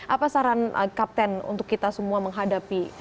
apa saran kapten untuk kita semua menghadapi